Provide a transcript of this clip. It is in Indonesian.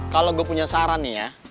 kalau gue punya saran nih ya